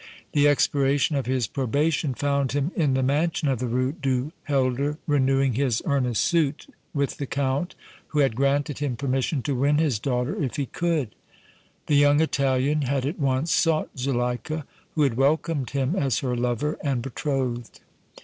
The expiration of his probation found him in the mansion of the Rue du Helder, renewing his earnest suit with the Count, who had granted him permission to win his daughter if he could. The young Italian had at once sought Zuleika, who had welcomed him as her lover and betrothed.